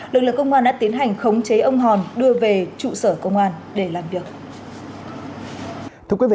lực lượng công an đã tiến hành khống chế ông hòn đưa về trụ sở công an để làm việc